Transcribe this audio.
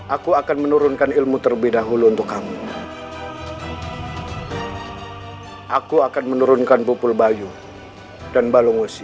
aku akan menurunkan pupul bayu dan balung wesi